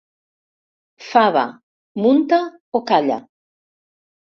Fava, munta o calla?